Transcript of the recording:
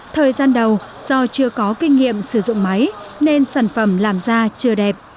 thời gian đầu do chưa có kinh nghiệm sử dụng máy nên sản phẩm làm ra chưa đẹp